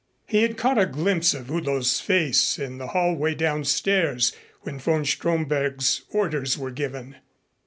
He had caught a glimpse of Udo's face in the hallway downstairs when von Stromberg's orders were given.